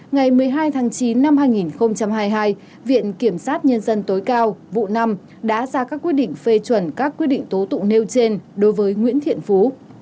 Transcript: ngày một mươi hai tháng chín năm hai nghìn hai mươi hai viện kiểm sát nhân dân tối cao vụ năm đã ra các quyết định phê chuẩn các quyết định tố tụng nêu trên đối với nguyễn thiện phú